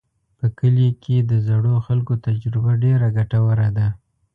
په کلي کې د زړو خلکو تجربه ډېره ګټوره ده.